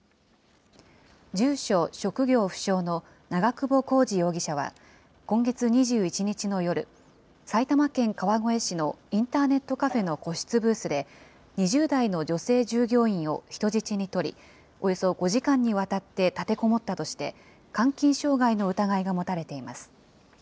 住所職業不詳の長久保浩二容疑者は今月２１日の夜、埼玉県川越市のインターネットカフェの個室ブースで、２０代の女性従業員を人質に取り、およそ５時間にわたって立てこもったとして、監禁傷害の疑いが持たれています。